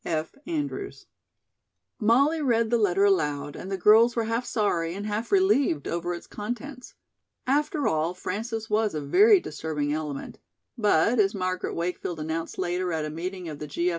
"F. ANDREWS." Molly read the letter aloud and the girls were half sorry and half relieved over its contents. After all, Frances was a very disturbing element, but as Margaret Wakefield announced later at a meeting of the G.